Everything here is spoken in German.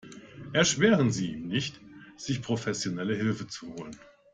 Erschweren Sie ihm nicht, sich professionelle Hilfe zu holen.